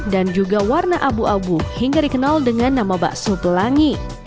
dan juga warna abu abu hingga dikenal dengan nama bakso pelangi